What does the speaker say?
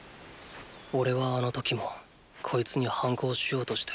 おれはあの時もこいつに反抗しようとして。